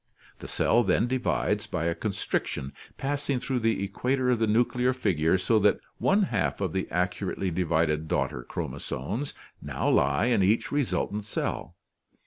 The cell then divides by a constriction passing through the equator of the nuclear figure so that one half of the accurately divided daughter chromosomes now lie in each resultant cell.